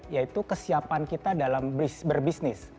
yaitu kesiapan kita dalam berbisnis